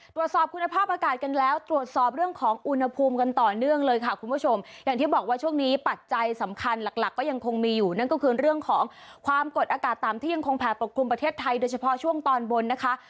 ตรวจสอบคุณภาพอากาศกันแล้วตรวจสอบเรื่องของอุณหภูมิกันต่อเนื่องเลยค่ะคุณผู้ชมอย่างที่บอกว่าช่วงนี้ปัจจัยสำคัญหลักหลักก็ยังคงมีอยู่นั่นก็คือเรื่องของความกดอากาศต่ำที่ยังคงแผ่ปกคลุมประเทศไทยโดยเฉพาะช่วงตอนบนนะคะ